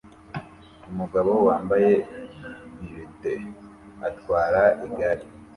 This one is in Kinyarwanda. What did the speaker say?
umugabo wambaye beret atwara igare